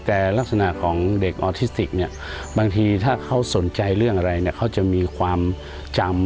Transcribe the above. แต่ลักษณะของเด็กออทิสติกเนี่ยบางทีถ้าเขาสนใจเรื่องอะไรเนี่ยเขาจะมีความจำ